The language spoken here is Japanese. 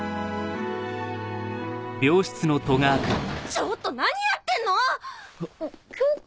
ちょっと何やってんの⁉恭子？